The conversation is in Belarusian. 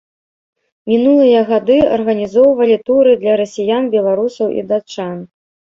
Мінулыя гады арганізоўвалі туры для расіян, беларусаў і датчан.